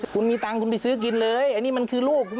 คุณมีตังค์คุณไปซื้อกินเลยอันนี้มันคือลูก